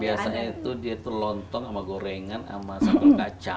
biasanya itu dia tuh lontong sama gorengan sama sambal kacang